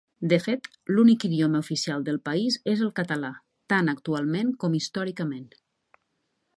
De fet, l'únic idioma oficial del país és el català, tant actualment com històricament.